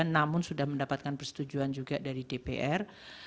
namun sudah mendapatkan persetujuan juga dari dpr